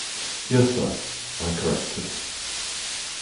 Yes, sir, I corrected.